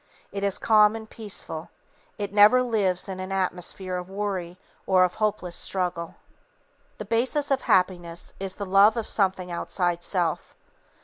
It is calm and peaceful; it never lives in an atmosphere of worry or of hopeless struggle. The basis of happiness is the love of something outside self.